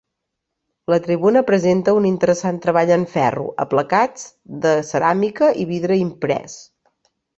La tribuna presenta un interessant treball en ferro, aplacats de ceràmica i vidre imprès.